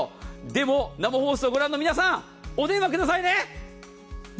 でも、生放送をご覧の皆さんお電話くださいね。